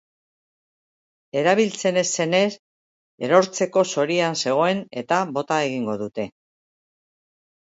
Erabiltzen ez zenez, erortzeko zorian zegoen eta bota egingo dute.